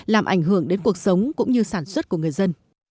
làm ảnh hưởng đến cuộc sống cũng như sản xuất của người dân